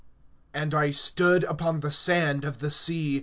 AND I stood [13:1a] upon the sand of the sea.